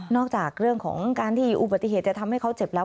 จากเรื่องของการที่อุบัติเหตุจะทำให้เขาเจ็บแล้ว